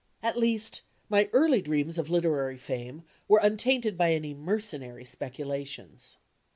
At least, my early dreams of literary fame were untainted by any mercenary speculations.